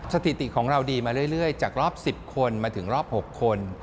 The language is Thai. สถิติของเราดีมาเรื่อยจากรอบ๑๐คนมาถึงรอบ๖คน